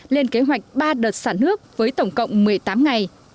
lên kế hoạch ba đợt sản nước với tổng cộng một mươi tám ngày